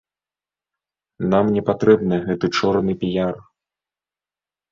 Нам не патрэбны гэты чорны піяр.